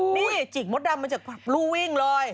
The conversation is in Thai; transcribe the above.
นี่จิกมดดำมาจากรูวิ่งเลย